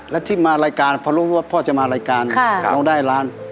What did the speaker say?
และที่มารายการพอรู้ว่าพ่อจะมารายการร้องได้ล้าน